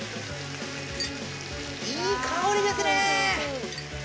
いい香りですね。